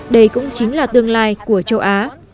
đây cũng chính là tương lai của châu á